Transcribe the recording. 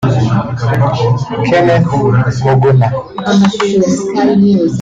Kenneth Muguna